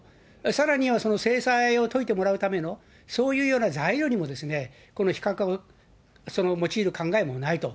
さらには制裁を解いてもらうための、そういうような材料よりもこの非核化を用いる考えもないと。